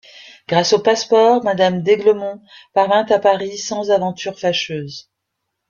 Grâce au passe-port, madame d’Aiglemont parvint à Paris sans aventure fâcheuse.